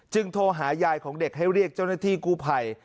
โทรหายายของเด็กให้เรียกเจ้าหน้าที่กู้ภัย